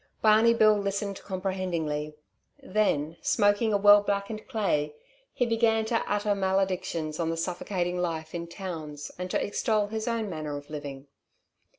Barney Bill listened comprehendingly. Then, smoking a well blackened clay, he began to utter maledictions on the suffocating life in towns and to extol his own manner of living.